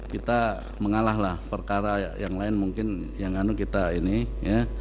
kita mengalahlah perkara yang lain mungkin yang anu kita ini ya